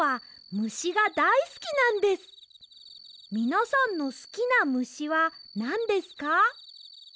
みなさんのすきなむしはなんですか？